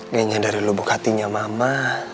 kayaknya dari lubuk hatinya mama